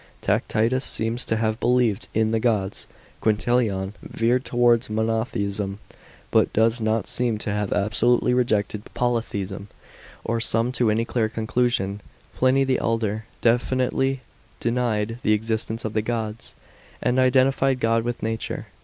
Tacitus seems to have believed in the gods. Quintilian veered towards monotheism, but does not seem to have absolutely rejected poly theism or come to any clear conclusion. Pliny the elder definitely denied the existence of the gods, and identified God with nature.